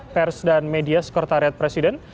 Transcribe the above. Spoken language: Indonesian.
pers dan media sekretariat presiden